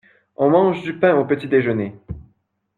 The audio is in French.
On mange du pain au petit-déjeuner.